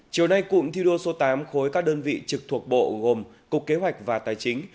chiều nay cụm thi đua số tám khối các đơn vị trực thuộc bộ gồm cục kế hoạch và tài chính